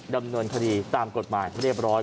ดำเนินคดีตามกฎหมายเรียบร้อย